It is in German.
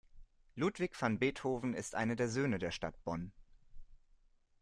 Ludwig van Beethoven ist einer der Söhne der Stadt Bonn.